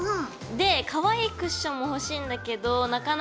でかわいいクッションも欲しいんだけどなかなか見つからないのよ。